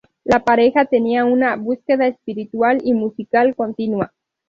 La pareja tenía una búsqueda espiritual y musical continua.